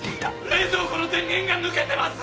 冷蔵庫の電源が抜けてます！